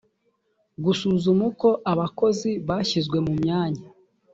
gusuzuma uko abakozi bashyizwe mu myanya